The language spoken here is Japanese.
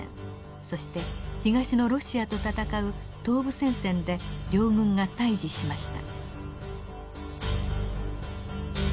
そして東のロシアと戦う東部戦線で両軍が対峙しました。